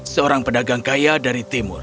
seorang pedagang kaya dari timur